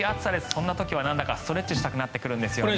そんな時はなんだかストレッチしたくなってくるんですよね。